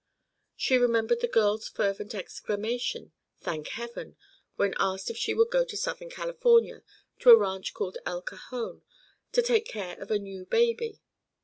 She remembered the girl's fervent exclamation: "Thank heaven!" when asked if she would go to Southern California, to a ranch called El Cajon, to take care of a new baby.